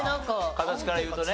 形からいうとね。